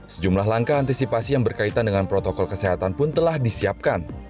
sejumlah langkah antisipasi yang berkaitan dengan protokol kesehatan pun telah disiapkan